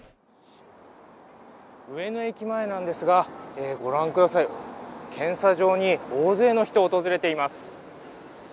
上野駅前なんですが、御覧ください、検査場に大勢の人、訪れています。